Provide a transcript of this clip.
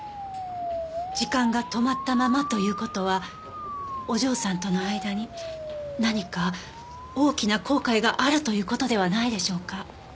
時間が止まったままという事はお嬢さんとの間に何か大きな後悔があるという事ではないでしょうか？